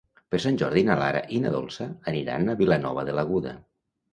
Per Sant Jordi na Lara i na Dolça aniran a Vilanova de l'Aguda.